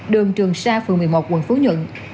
đường trường sa phường một mươi một quận phú nhuận